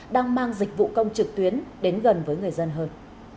đang mang dịch vụ công trực tuyến đến gần với người dân hơn